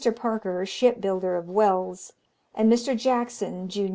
Parker, ship builder, of Wells, and Mr. Jackson, jun.